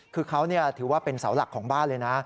คือเขาถือว่าเป็นเสาหลักของบ้านเลยนะ